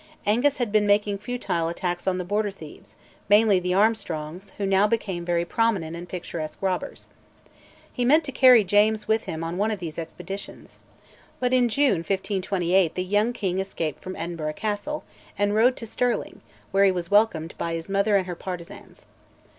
Angus had been making futile attacks on the Border thieves, mainly the Armstrongs, who now became very prominent and picturesque robbers. He meant to carry James with him on one of these expeditions; but in June 1528 the young king escaped from Edinburgh Castle, and rode to Stirling, where he was welcomed by his mother and her partisans.